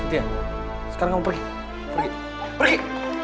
cynthia sekarang kamu pergi pergi pergi